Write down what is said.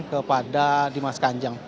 kepada dimas kanjeng